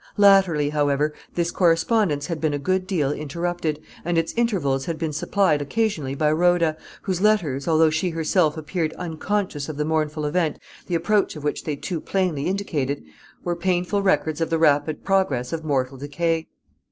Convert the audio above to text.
Latterly, however, this correspondence had been a good deal interrupted, and its intervals had been supplied occasionally by Rhoda, whose letters, although she herself appeared unconscious of the mournful event the approach of which they too plainly indicated, were painful records of the rapid progress of mortal decay.